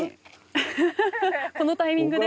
このタイミングで？